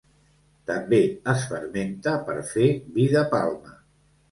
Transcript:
També es fermenta per fer vi de palma.